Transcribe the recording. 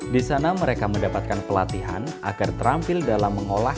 di sana mereka mendapatkan pelatihan agar terampil dalam mengolah